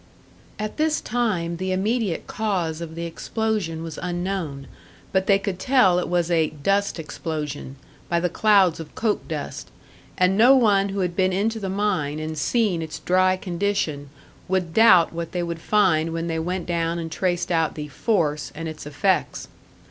At this time the immediate cause of the explosion was unknown, but they could tell it was a "dust explosion" by the clouds of coke dust, and no one who had been into the mine and seen its dry condition would doubt what they would find when they went down and traced out the "force" and its effects.